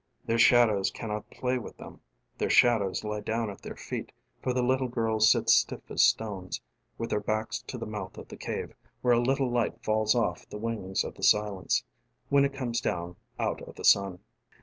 Their shadows cannot play with themŌĆ" their shadows lie down at their feetŌĆ" for the little girls sit stiff as stones with their backs to the mouth of the cave where a little light falls off the wings of the silence when it comes down out of the sun.